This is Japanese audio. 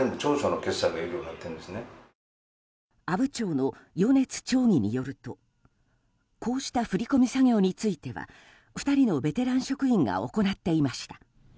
阿武町の米津町議によるとこうした振り込み作業については２人のベテラン職員が行っていました。